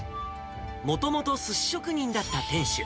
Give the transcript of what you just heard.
もともとすし職人だった店主。